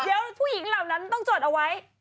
เดี๋ยวผู้หญิงเหล่านั้นต้องจดเอาไว้